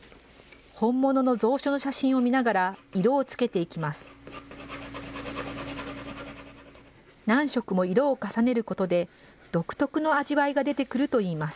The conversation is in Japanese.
本物の蔵書の写真を見ながら、色をつけていきます。